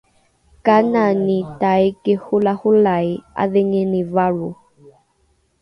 kanani taiki holaholai ’adhingini valro?